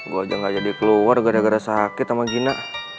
gue aja gak jadi keluar gara gara sakit sama gina